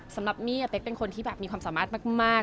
สำหรับมี่เป๊กเป็นคนที่แบบมีความสามารถมาก